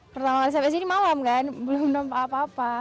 pertama kali sampai sini malam kan belum nampak apa apa